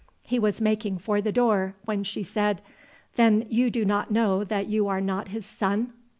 He was making for the door, when she said, "Then you do not know that you are not his son?"